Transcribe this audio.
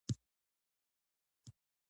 په تدریجي ډول تولیدات خپل عادي حالت ته راګرځي